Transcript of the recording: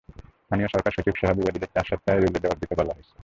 স্থানীয় সরকার সচিবসহ বিবাদীদের চার সপ্তাহের রুলের জবাব দিতে বলা হয়েছে।